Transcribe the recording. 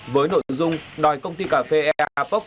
với nội dung đòi công ty cà phê earpop